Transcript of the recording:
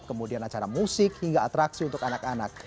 kemudian acara musik hingga atraksi untuk anak anak